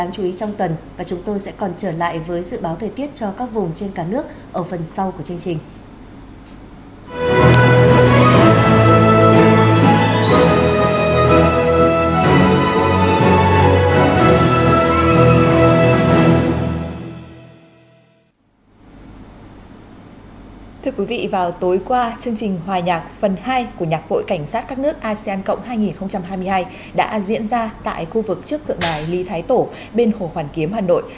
chương trình hòa nhạc phần hai của nhạc hội cảnh sát các nước asean cộng hai nghìn hai mươi hai đã diễn ra tại khu vực trước tượng đài ly thái tổ bên hồ hoàn kiếm hà nội